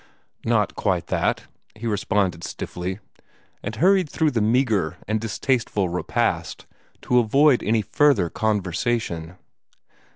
"Not quite that," he responded stiffly, and hurried through the meagre and distasteful repast, to avoid any further conversation.